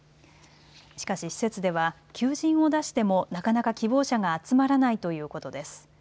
しかし施設では求人を出してもなかなか希望者が集まらないということです。